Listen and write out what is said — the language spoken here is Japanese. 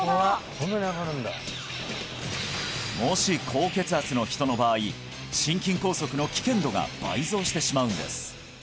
そんなに上がるんだもし高血圧の人の場合心筋梗塞の危険度が倍増してしまうんです！